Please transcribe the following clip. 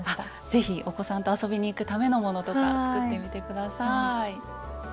是非お子さんと遊びに行くためのものとか作ってみて下さい。